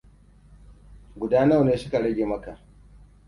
Guda nawa ne suka rage maka?